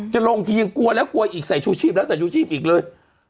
จะลงทียังกลัวแล้วกลัวอีกใส่ชูชีพแล้วใส่ชูชีพอีกเลย